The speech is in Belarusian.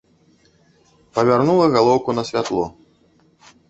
Павярнула галоўку на святло.